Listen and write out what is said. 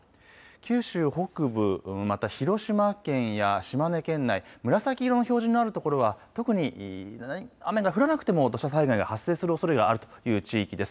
九州北部、また広島県や島根県内、紫色の表示のあるところは特に雨が降らなくても土砂災害が発生するおそれがあるという地域です。